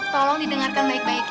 tolong didengarkan baik baik ya